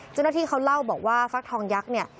จนกว่าที่เขาเล่าบอกว่าฟักทองยักษ์